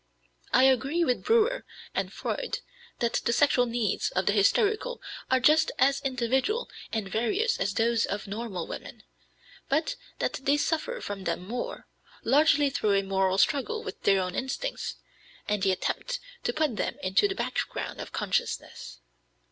I agree with Breuer and Freud that the sexual needs of the hysterical are just as individual and various as those of normal women, but that they suffer from them more, largely through a moral struggle with their own instincts, and the attempt to put them into the background of consciousness.